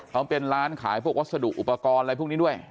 เขาเป็นร้านขายพวกวัสดุอุปกรณ์อะไรพวกนี้ด้วย